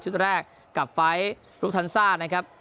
แรกกับไฟล์ลูกทันซ่านะครับ